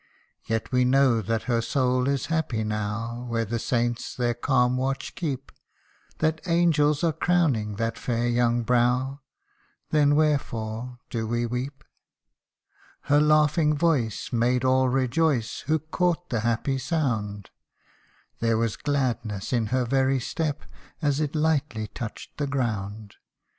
Yet we know that her soul is happy now, Where the saints their calm watch keep ; That angels are crowning that fair young brow Then wherefore do we weep ? THE MOURNERS. 241 Her laughing voice made all rejoice, Who caught the happy sound ; There was gladness in her very step, As it lightly touched the ground.